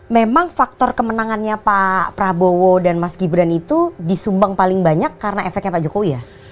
memang faktor kemenangannya pak prabowo dan mas gibran itu disumbang paling banyak karena efeknya pak jokowi ya